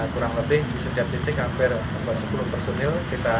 kurang lebih di setiap titik hampir sepuluh personil